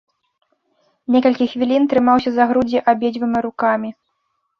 Некалькі хвілін трымаўся за грудзі абедзвюма рукамі.